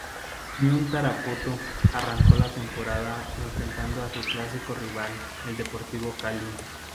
Unión Tarapoto arrancó la temporada enfrentando a su clásico rival, el Deportivo Cali.